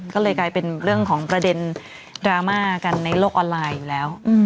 ก็เลยกลายเป็นเรื่องของประเด็นดราม่ากันในโลกออนไลน์อยู่แล้ว